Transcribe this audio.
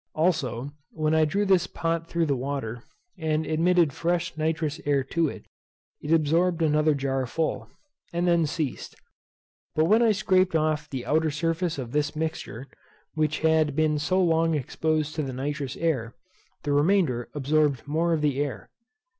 Also when I drew this pot through the water, and admitted fresh nitrous air to it, it absorbed another jar full, and then ceased. But when I scraped off the outer surface of this mixture, which had been so long exposed to the nitrous air, the remainder absorbed more of the air.